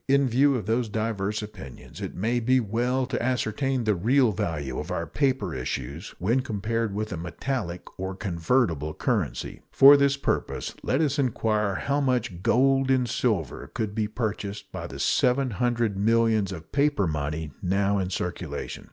In view of these diverse opinions, it may be well to ascertain the real value of our paper issues when compared with a metallic or convertible currency. For this purpose let us inquire how much gold and silver could be purchased by the seven hundred millions of paper money now in circulation.